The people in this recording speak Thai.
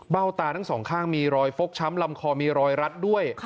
ตาทั้งสองข้างมีรอยฟกช้ำลำคอมีรอยรัดด้วย